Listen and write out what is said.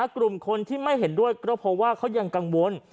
กลุ่มคนที่ไม่เห็นด้วยก็เพราะว่าเขายังกังวล